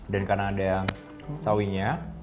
dan karena ada sawinya